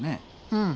うん。